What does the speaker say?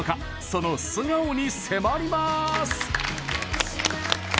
その素顔に迫ります！